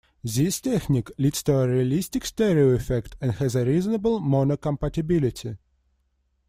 This technique leads to a realistic stereo effect and has a reasonable mono-compatibility.